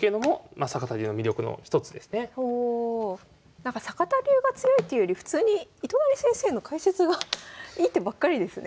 なんか坂田流が強いっていうより普通に糸谷先生の解説がいい手ばっかりですね。